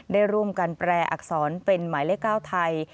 ได้ร่วมกันแปรอักษรเป็นหมายเลข๙ไทย